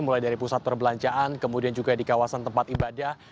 mulai dari pusat perbelanjaan kemudian juga di kawasan tempat ibadah